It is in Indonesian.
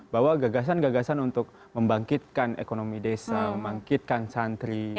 bahwa gagasan gagasan untuk membangkitkan ekonomi desa membangkitkan santri